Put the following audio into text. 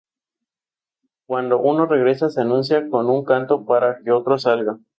Cuando uno regresa, se "anuncia" con su canto para que el otro salga.